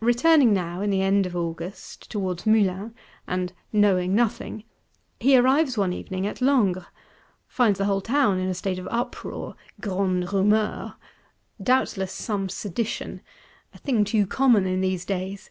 Returning now, in the end of August, towards Moulins, and "knowing nothing," he arrives one evening at Langres; finds the whole Town in a state of uproar (grande rumeur). Doubtless some sedition; a thing too common in these days!